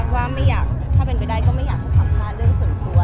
ว่าไม่อยากถ้าเป็นไปได้ก็ไม่อยากให้สัมภาษณ์เรื่องส่วนตัว